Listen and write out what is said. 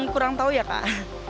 kurang tahu ya kak